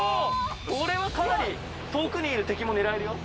これはかなり遠くにいる敵も狙えるよ。